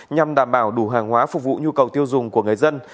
nhằm đảm bảo đủ hàng hóa phục vụ nhu cầu tiêu dùng của người dân